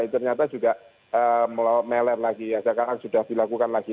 ternyata juga meler lagi ya sekarang sudah dilakukan lagi